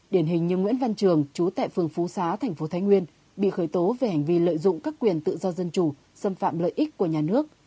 điển hình như nguyễn văn trường chú tại phường phú xá tp thái nguyên bị khởi tố về hành vi lợi dụng các quyền tự do dân chủ xâm phạm lợi ích của nhà nước